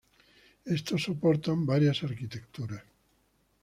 Estos soportan varias arquitecturas.